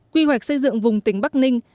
quy hoạch xây dựng vùng tỉnh bắc ninh